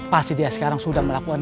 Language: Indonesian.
pasti dia sekarang sudah melakukan